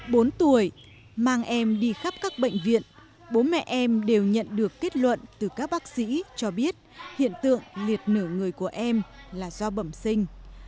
bốn tuổi mang em đi khắp các bệnh viện bố mẹ em đều nhận được kết luận từ các bác sĩ cho biết hiện tượng liệt nở người của em là do bẩm sinh